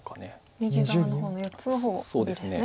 右側の方の４つの方をですね。